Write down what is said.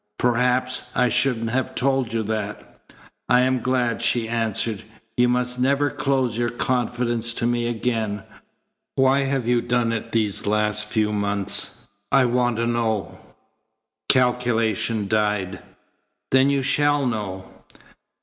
"Perhaps I shouldn't have told you that." "I am glad," she answered. "You must never close your confidence to me again. Why have you done it these last few months? I want to know." Calculation died. "Then you shall know."